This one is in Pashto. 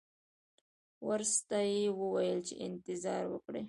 ورسته یې وویل چې انتظار وکړئ.